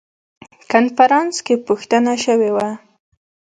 کنفرانس کې پوښتنه شوې وه.